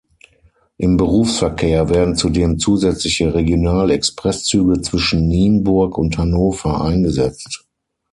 Im Berufsverkehr werden zudem zusätzliche Regional-Express-Züge zwischen Nienburg und Hannover eingesetzt.